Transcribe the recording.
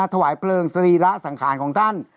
ถวายเพลิงสรีระสังขารของท่าน